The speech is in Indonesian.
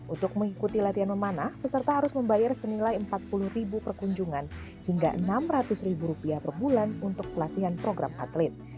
untuk mengikuti latihan memanah peserta harus membayar senilai rp empat puluh per kunjungan hingga rp enam ratus per bulan untuk pelatihan program atlet